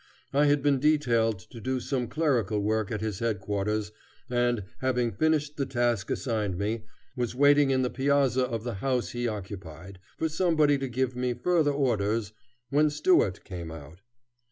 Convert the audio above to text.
I had been detailed to do some clerical work at his head quarters, and, having finished the task assigned me, was waiting in the piazza of the house he occupied, for somebody to give me further orders, when Stuart came out.